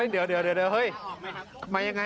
เดี๋ยวเฮ้ยมายังไง